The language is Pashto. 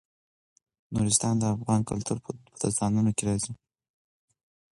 نورستان د افغان کلتور په داستانونو کې راځي.